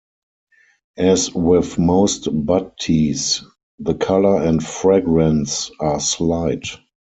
As with most bud teas, the color and fragrance are slight.